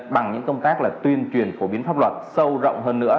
bằng những công tác là tuyên truyền phổ biến pháp luật sâu rộng hơn nữa